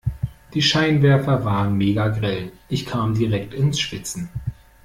Die Scheinwerfer waren megagrell. Ich kam direkt ins Schwitzen.